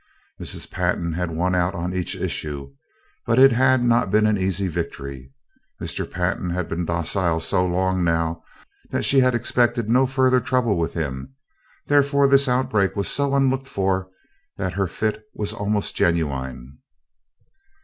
Mrs. Pantin had won out on each issue, but it had not been an easy victory. Mr. Pantin had been docile so long now that she had expected no further trouble with him, therefore this outbreak was so unlooked for that her fit was almost genuine.